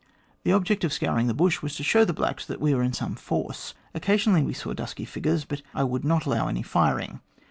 The object of scouring the bush was to show the blacks that we were in some force. Occasionally, we saw dusky figures ; but I would not allow any firing.